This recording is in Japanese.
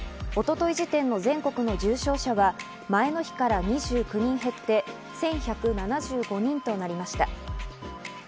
一昨日時点の全国の重症者は前の日から２９人減って１１７５人となりました。